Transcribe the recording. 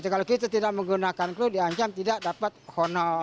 kalau kita tidak menggunakan clue diangcam tidak dapat honor